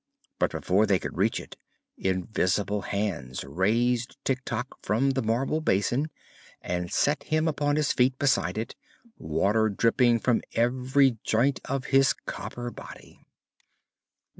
But before they could reach it, invisible hands raised Tik Tok from the marble basin and set him upon his feet beside it, water dripping from every joint of his copper body.